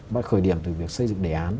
bắt khởi điểm từ việc xây dựng đề án